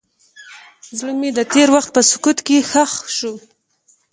زړه مې د تېر وخت په سکوت کې ښخ شو.